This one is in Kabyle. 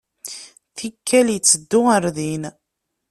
Tikkal itteddu ɣer din.